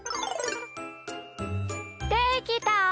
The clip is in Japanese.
できた！